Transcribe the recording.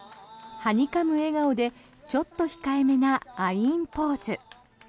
はにかむ笑顔でちょっと控えめなアイーンポーズ。